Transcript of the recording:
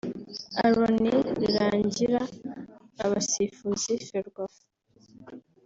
Aaron Rurangira (Abasifuzi-Ferwafa)